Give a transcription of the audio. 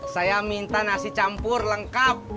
saya minta nasi campur lengkap